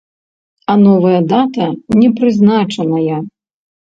А новая дата не прызначаная.